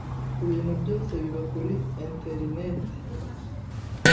ibintu byose biba kuri interinete,